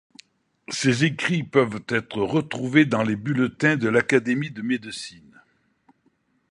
Ces écrits peuvent être retrouvés dans les Bulletins de l’Académie de Médecine.